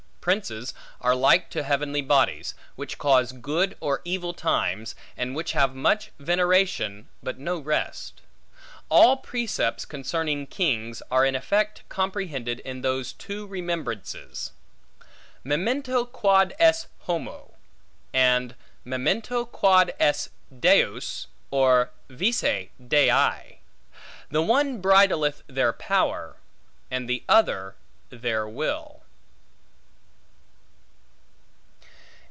Princes are like to heavenly bodies, which cause good or evil times; and which have much veneration, but no rest. All precepts concerning kings, are in effect comprehended in those two remembrances: memento quod es homo; and memento quod es Deus, or vice Dei; the one bridleth their power, and the other their will.